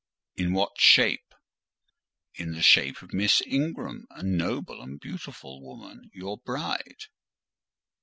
"In what shape?" "In the shape of Miss Ingram; a noble and beautiful woman,—your bride."